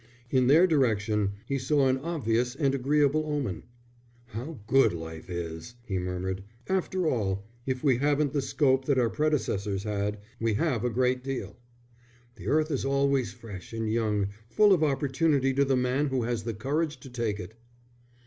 In their direction he saw an obvious and agreeable omen. "How good life is!" he murmured. "After all, if we haven't the scope that our predecessors had, we have a great deal. The earth is always fresh and young, full of opportunity to the man who has the courage to take it."